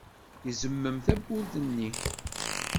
Izemmem tawwurt-nni.